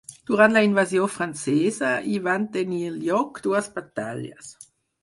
Durant la invasió francesa hi van tenir lloc dues batalles.